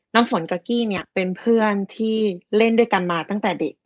น้ำฝนกับกี้เนี่ยเป็นเพื่อนที่เล่นด้วยกันมาตั้งแต่เด็ก